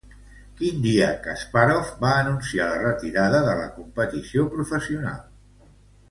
Quin dia Kaspàrov va anunciar la retirada de la competició professional?